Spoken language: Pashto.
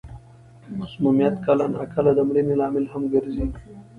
مسمومیت کله نا کله د مړینې لامل هم ګرځي.